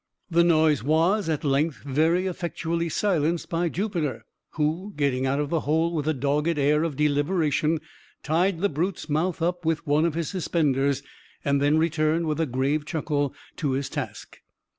The noise was, at length, very effectually silenced by Jupiter, who, getting out of the hole with a dogged air of deliberation, tied the brute's mouth up with one of his suspenders, and then returned, with a grave chuckle, to his task.